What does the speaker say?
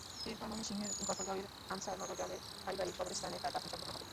এরপর ময়মনসিংহের গফরগাঁওয়ের আনছার নগর গ্রামের পারিবারিক কবরস্থানে তাঁর দাফন সম্পন্ন হবে।